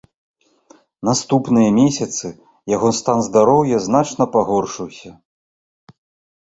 Наступныя месяцы яго стан здароўя значна пагоршыўся.